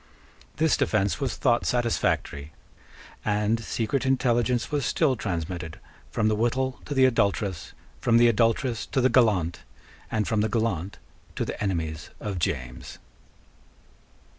This defence was thought satisfactory; and secret intelligence was still transmitted from the wittol to the adulteress, from the adulteress to the gallant, and from the gallant to the enemies of James.